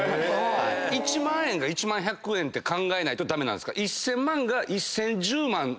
１万円が１万１００円って考えないと駄目なんですか？